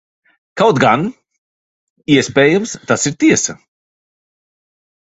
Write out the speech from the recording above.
Kaut gan, iespējams, tas ir tiesa.